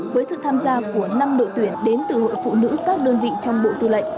với sự tham gia của năm đội tuyển đến từ hội phụ nữ các đơn vị trong bộ tư lệnh